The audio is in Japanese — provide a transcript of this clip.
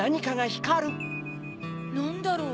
なんだろう？